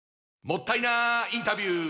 もったいなインタビュー！